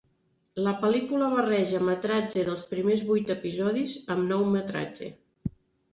La pel·lícula barreja metratge dels primers vuit episodis amb nou metratge.